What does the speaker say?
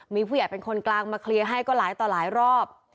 มีผู้ใหญ่เป็นคนกลางมาเคลียร์ให้ก็หลายต่อหลายรอบ